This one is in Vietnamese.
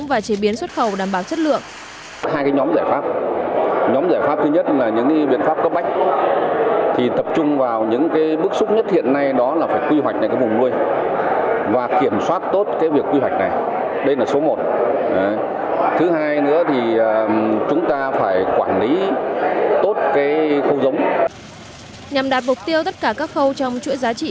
và chế biến xuất khẩu đảm bảo chất lượng nhằm đạt mục tiêu tất cả các khâu trong chuỗi giá trị